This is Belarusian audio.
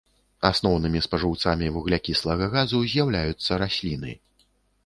Асноўнымі спажыўцамі вуглякіслага газу з'яўляюцца расліны.